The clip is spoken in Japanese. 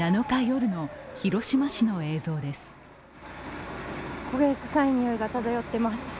７日夜の広島市の映像です。